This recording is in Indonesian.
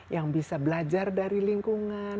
yang bisa belajar dari lingkungan